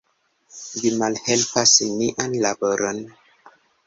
Vi malhelpas nian laboron.